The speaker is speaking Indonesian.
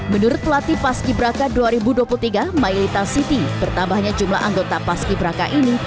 menurut pelatih paski braka dua ribu dua puluh tiga mailita city bertambahnya jumlah anggota paski braka ini